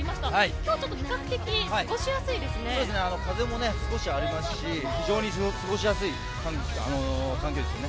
今日風も少しありますし非常に過ごしやすい感じですよね。